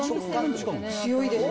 強いですね。